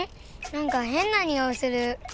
なんかへんなにおいする。